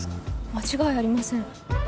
間違いありません